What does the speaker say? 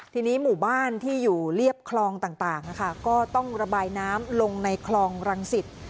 ทีนี้หมู่บ้านที่อยู่เรียบคลองต่างก็ต้องระบายน้ำลงในคลองรังสิต